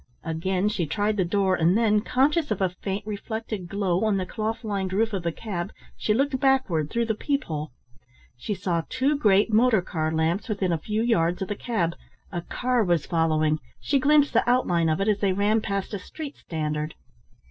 Again she tried the door, and then, conscious of a faint reflected glow on the cloth lined roof of the cab, she looked backward through the peep hole. She saw two great motor car lamps within a few yards of the cab. A car was following, she glimpsed the outline of it as they ran past a street standard.